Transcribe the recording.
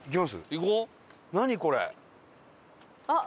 行こう。